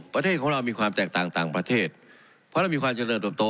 ประเทศของเรามีความแตกต่างต่างประเทศเพราะเรามีความเจริญเติบโต